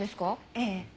ええ。